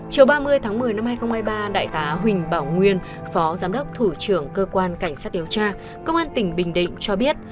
chiều ba mươi tháng một mươi năm hai nghìn hai mươi ba đại tá huỳnh bảo nguyên phó giám đốc thủ trưởng cơ quan cảnh sát điều tra công an tỉnh bình định cho biết